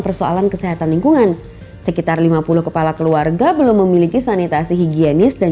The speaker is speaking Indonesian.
persoalan kesehatan lingkungan sekitar lima puluh kepala keluarga belum memiliki sanitasi higienis dan